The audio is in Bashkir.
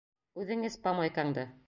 Үҙең эс помойкаңды!